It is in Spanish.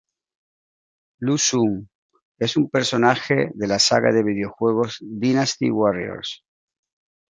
Lu Xun es un personaje de la saga de videojuegos Dynasty Warriors.